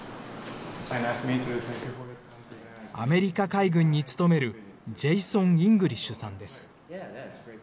アメリカ海軍に勤めるジェイソン・イングリッシュさんです。